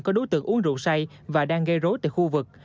có đối tượng uống rượu say và đang gây rối từ khu vực